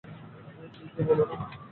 কী যে বলো না!